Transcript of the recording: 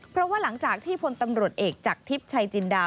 เพราะว่าหลังจากที่พลตำรวจเอกจากทิพย์ชัยจินดา